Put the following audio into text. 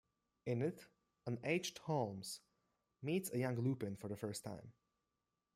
In it, an aged Holmes meets a young Lupin for the first time.